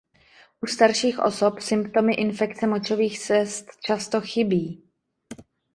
U starších osob symptomy infekce močových cest často chybí.